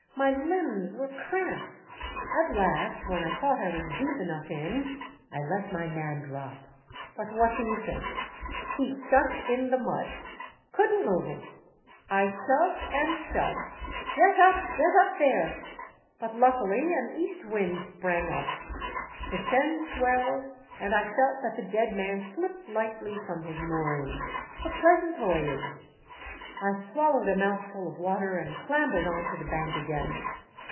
My limbs were cramped. At last, when I thought I was deep enough in, I let my man drop. But what do you think? He stuck in the mud. Could n't move him. I shoved and shoved. Get up, get up there ! But luckily an east wind sprang up. The Seine swelled, and I felt that the dead man slipped lightly from his mooring. A pleasant voyage ! I swallowed a mouthful of water and clambered on to the bank again.